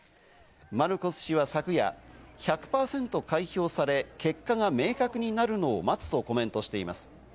マルコス氏は昨夜、１００％開票され、結果が明確になるのを待つとコメントしています。